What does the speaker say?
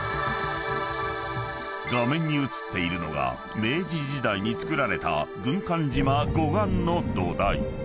［画面に映っているのが明治時代に造られた軍艦島護岸の土台］